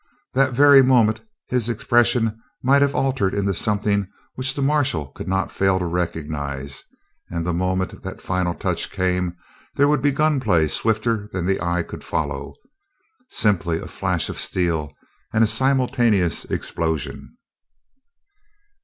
That very moment his expression might have altered into something which the marshal could not fail to recognize, and the moment that final touch came there would be a gun play swifter than the eye could follow simply a flash of steel and a simultaneous explosion.